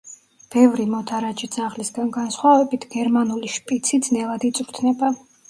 ბევრი მოდარაჯე ძაღლისგან განსხვავებით, გერმანული შპიცი ძნელად იწვრთნება.